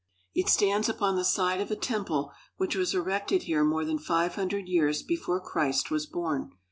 It stands upon the site of a temple which was erected here more than five hundred years before Christ was born.